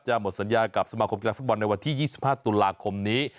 หมดสัญญากับสมาคมกีฬาฟุตบอลในวันที่๒๕ตุลาคมนี้